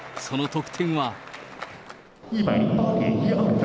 その得点は。